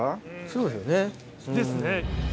そうですよね。ですね。